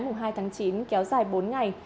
mùng hai tháng chín kéo dài bốn ngày